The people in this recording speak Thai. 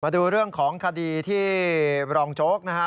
ดูเรื่องของคดีที่รองโจ๊กนะฮะ